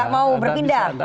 nggak mau berpindah